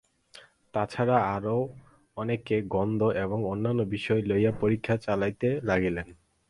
তাছাড়া আরও অনেকে গন্ধ এবং অন্যান্য বিষয় লইয়াও পরীক্ষা চালাইতে লাগিলেন।